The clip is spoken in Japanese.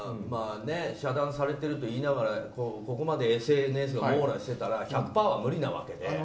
遮断されてるといいながらここまでＳＮＳが網羅してたら１００％は無理なわけで。